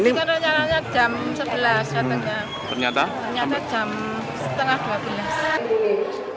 tadi kan ternyata jam sebelas ternyata jam setengah dua belas